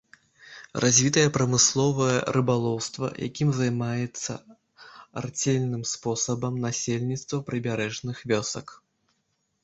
Развітае прамысловае рыбалоўства, якім займаецца арцельным спосабам насельніцтва прыбярэжных вёсак.